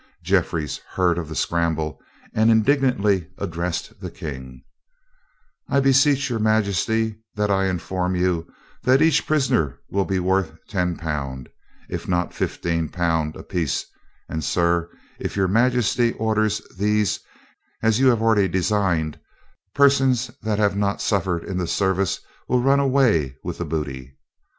Jeffries heard of the scramble, and indignantly addressed the king: "I beseech your majesty, that I inform you, that each prisoner will be worth ten pound, if not fifteen pound, apiece, and, sir, if your majesty orders these as you have already designed, persons that have not suffered in the service will run away with the booty."